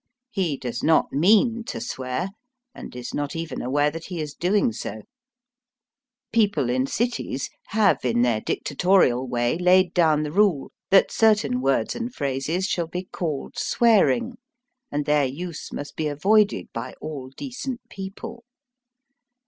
He does not mean to swear, and is not even aware that he is doing so. People in cities have in their dictatorial way laid down the rule that certain words and phrases shall be Digitized by VjOOQIC LIFE AND DEATH IN THE FAR WEST. 69 called swearing, and their nse must be avoided by all decent people.